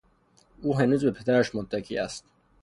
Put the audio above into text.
او هنوز به پدرش متکی است.